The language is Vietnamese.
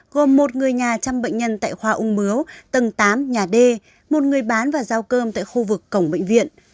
gồm một người nhà chăm bệnh nhân tại khoa ung miếu tầng tám nhà d một người bán và giao cơm tại khu vực cổng bệnh viện